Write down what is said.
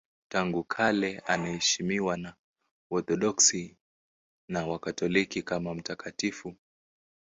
Tangu kale anaheshimiwa na Waorthodoksi na Wakatoliki kama mtakatifu.